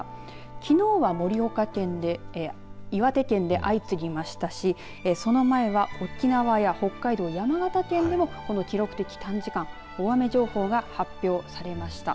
きのうは岩手県で相次ぎましたしその前は、沖縄や北海道山形県でもこの記録的短時間大雨情報が発表されました。